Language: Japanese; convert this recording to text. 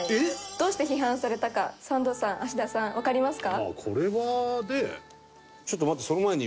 「どうして批判されたかサンドさん芦田さんわかりますか？」